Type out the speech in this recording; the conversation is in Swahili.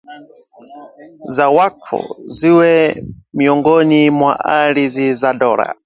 za waqf ziwe miongoni mwa ardhi za dola